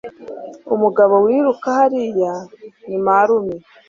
Umugabo wiruka hariya ni marume.